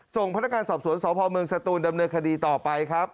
ส่งพนักงานสอบสวนสพเมืองสตูนดำเนินคดีต่อไปครับ